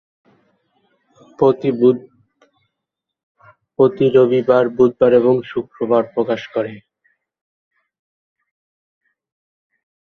প্রতি রবিবার, বুধবার এবং শুক্রবারে প্রকাশ করে।